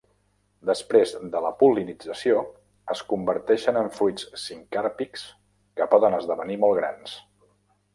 Després de la pol·linització, es converteixen en fruits sincàrpics que poden esdevenir molt grans.